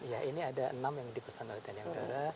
ya ini ada enam yang di pesan oleh tni angkatan udara